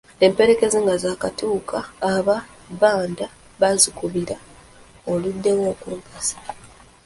Emperekeze nga zaakatuuka, aba bbanda baazikubira 'Oluddewo okumpasa!